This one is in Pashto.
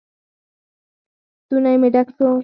ستونى مې ډک سو.